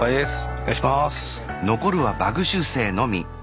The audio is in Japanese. お願いします。